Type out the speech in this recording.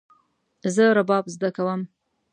زه رباب زده کوم